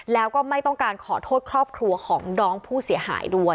แล้วก็ไม่ต้องการขอโทษครอบครัวของน้องผู้เสียหายด้วย